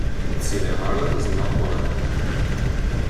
But Celia Harland is not one of them.